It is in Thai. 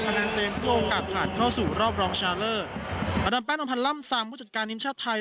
คะแนนเต็มทั่วโอกาสผ่านเข้าสู่รอบรองชาเลอร์ประดำแป้นอมพันล่ำสามผู้จัดการนิมชาไทย